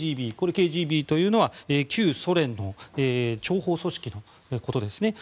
ＫＧＢというのは旧ソ連の諜報組織のことですね。